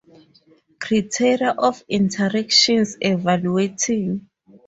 Criteria of interactions' evaluating.